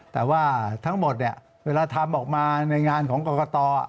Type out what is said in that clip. แต่ว่าทั้งหมดเนี่ยเวลาทำออกมาในงานของกรกต